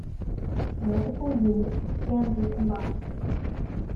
Multiple units can be combined.